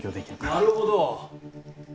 なるほど。